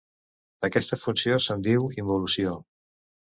D'aquesta funció se'n diu involució.